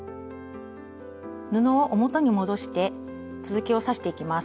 布を表に戻して続きを刺していきます。